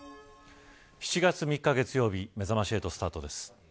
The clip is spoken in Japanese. ７月３日月曜日めざまし８スタートです。